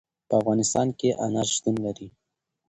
په افغانستان کې انار شتون لري.